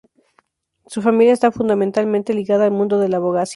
Su familia está fundamentalmente ligada al mundo de la abogacía.